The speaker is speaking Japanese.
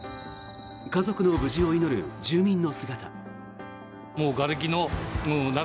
家族の無事を祈る住民の姿。